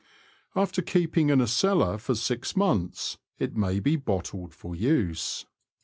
After keeping in a cellar for six months, it may be bottled for use.